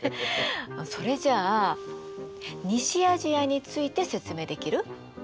それじゃあ西アジアについて説明できる？